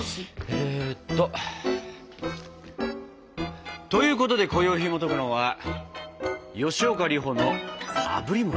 えっと。ということでこよいひもとくのは「吉岡里帆のあぶり餅」。